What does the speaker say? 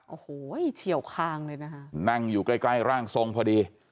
โอ้โหเฉียวคางเลยนะคะนั่งอยู่ใกล้ใกล้ร่างทรงพอดี